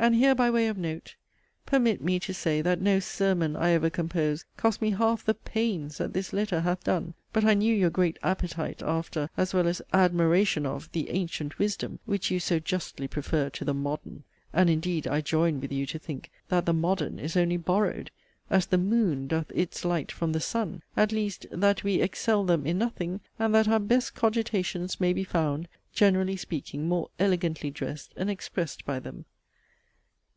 * And here, by way of note, permit me to say, that no 'sermon' I ever composed cost me half the 'pains' that this letter hath done but I knew your great 'appetite' after, as well as 'admiration' of, the 'antient wisdom,' which you so justly prefer to the 'modern' and indeed I join with you to think, that the 'modern' is only 'borrowed,' (as the 'moon' doth its light from the 'sun,') at least, that we 'excel' them in nothing; and that our 'best cogitations' may be found, generally speaking, more 'elegantly' dressed and expressed by them.